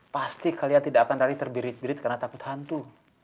pasti kalian tidak akan lari terbirit birit karena takut hantu